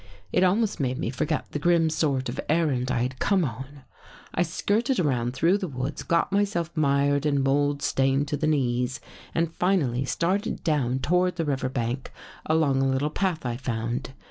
It almost made me forget the grim sort of errand I had come on. I skirted around through the woods, got myself mired and mold stained to the knees and finally started down toward the river bank along a little path I found.